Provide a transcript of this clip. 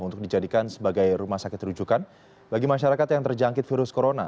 untuk dijadikan sebagai rumah sakit rujukan bagi masyarakat yang terjangkit virus corona